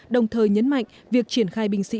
đồng thời nhấn mạnh việc triển khai binh sĩ